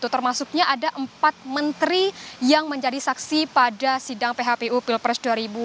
termasuknya ada empat menteri yang menjadi saksi pada sidang phpu pilpres dua ribu sembilan belas